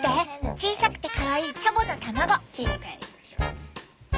小さくてかわいいチャボの卵。